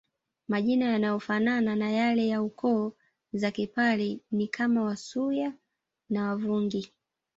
Majina yanayofanana ya yale ya koo za kipare ni kama Wasuya na Wavungi